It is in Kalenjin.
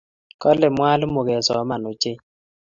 Kale mwalimu kesoman ochei